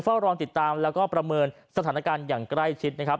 เฝ้ารองติดตามแล้วก็ประเมินสถานการณ์อย่างใกล้ชิดนะครับ